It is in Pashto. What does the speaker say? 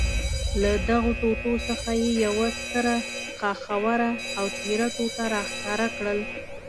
له دغو ټوټو څخه یې یوه ستره، غاښوره او تېره ټوټه را ښکاره کړل.